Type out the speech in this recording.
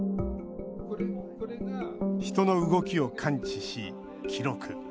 人の動きを感知し記録。